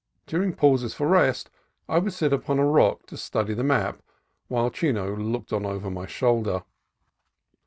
During pauses for rest I would sit on a rock to study the map while Chino looked on over my shoulder.